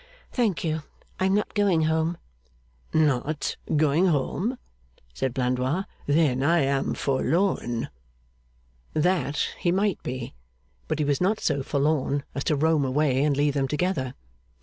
'Thank you: I am not going home.' 'Not going home!' said Blandois. 'Then I am forlorn.' That he might be; but he was not so forlorn as to roam away and leave them together.